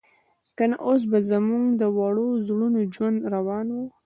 که نه اوس به زموږ د وړو زړو ژوند روان و.